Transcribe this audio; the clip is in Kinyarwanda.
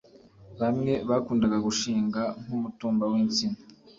bamwe bakundaga gushinga nk’ umutumba w’ insina